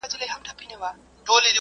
ایمي د رواني فشار له کبله ستړې شوې وه.